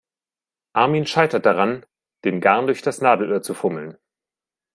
Armin scheitert daran, den Garn durch das Nadelöhr zu fummeln.